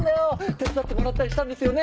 手伝ってもらったりしたんですよね？